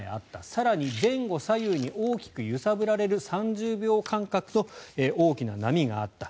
更に前後左右に大きく揺さぶられる３０秒間隔の大きな波があった